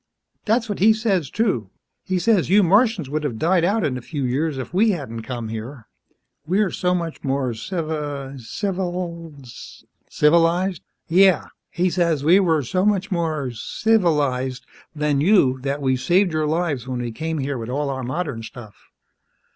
"That's what he says too. He says, you Martians would have died out in a few years, if we hadn't come here. We're so much more civi ... civili ..." "Civilized?" "Yeah. He says, we were so much more 'civ ilized' than you that we saved your lives when we came here with all our modern stuff."